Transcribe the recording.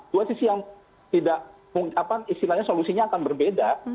dua sisi yang tidak apa istilahnya solusinya akan berbeda